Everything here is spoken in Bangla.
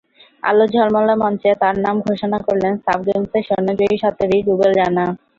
আলো ঝলমলে মঞ্চে তাঁর নাম ঘোষণা করলেন সাফ গেমসে সোনাজয়ী সাঁতারু রুবেল রানা।